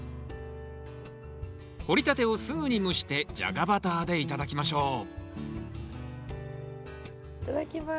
掘りたてをすぐに蒸してジャガバターで頂きましょういただきます。